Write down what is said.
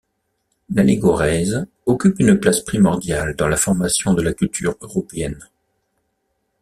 L'allégorèse occupe une place primordiale dans la formation de la culture européenne.